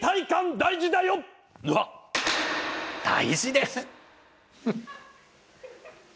大事です！